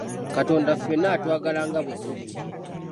Katonda ffenna atwagala nga bwe tuli.